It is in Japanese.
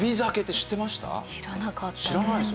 知らなかったです。